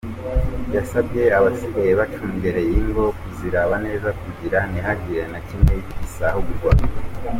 Yasavye abasigaye bacungereye ingo kuziraba neza kugira ntihagire na kimwe gisahurwa.